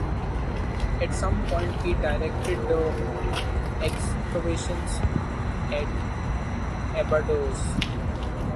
At some point he directed the excavations at Abydos.